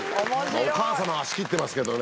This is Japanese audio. お母様が仕切ってますけどね